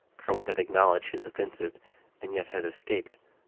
Carwin had acknowl edged his offenses, and yet had escaped.